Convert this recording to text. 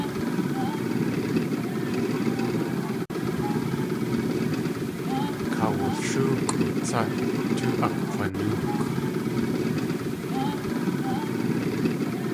Kawulshóokʼu tsá tóo akg̲wanóok.